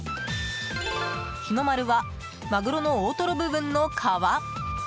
日の丸はマグロの大トロ部分の皮。